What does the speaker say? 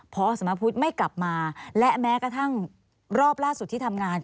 พอสมพุทธไม่กลับมาและแม้กระทั่งรอบล่าสุดที่ทำงาน